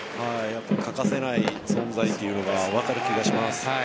欠かせない存在というのが分かる気がします。